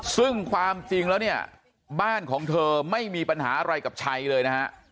ซึ่งความจริงแล้วเนี่ยบ้านของเธอไม่มีปัญหาอะไรกับชัยเลยนะฮะ